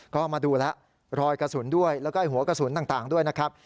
ก็มาดูแล้วรอยกระสุนด้วยแล้วก็หัวกระสุนต่างด้วยนะครับ